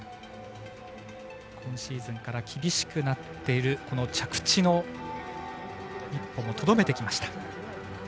今シーズンから厳しくなっている着地の１歩もとどめてきました。